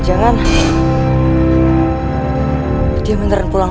jangan jangan jangan